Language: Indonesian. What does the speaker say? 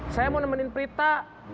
saya mau nemenin prita